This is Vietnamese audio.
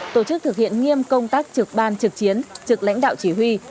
tổ chức thực hiện nghiêm công tác trực ban trực chiến trực lãnh đạo chỉ huy